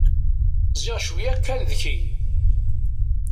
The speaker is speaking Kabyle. Ziɣ cwiyya-k kan deg-ki!